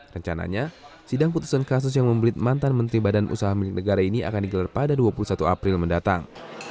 rencananya sidang putusan kasus yang membelit mantan menteri badan usaha milik negara ini akan digelar pada dua puluh satu april mendatang